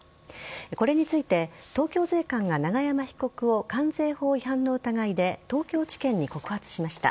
これについて東京税関が長山被告を関税法違反の疑いで東京地検に告発しました。